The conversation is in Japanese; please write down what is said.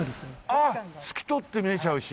ああ透き通って見えちゃうし。